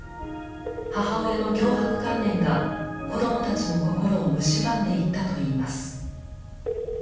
母親の強迫観念が子供たちの心をむしばんでいったといいます。